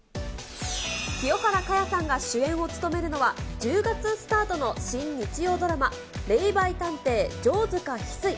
清原果耶さんが主演を務めるのは、１０月スタートの新日曜ドラマ、霊媒探偵・城塚翡翠。